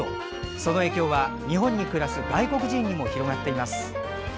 その影響は日本に暮らす外国人にも広がっています。